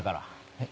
えっ？